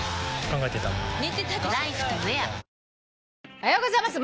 「おはようございます。